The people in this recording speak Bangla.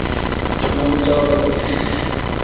আমাদের যাওয়া দরকার, না?